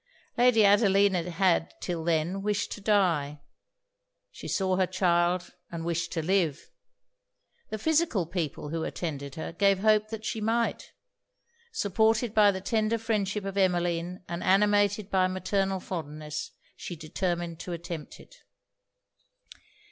Lady Adelina had, till then, wished to die. She saw her child and wished to live. The physical people who attended her, gave hopes that she might. Supported by the tender friendship of Emmeline, and animated by maternal fondness, she determined to attempt it.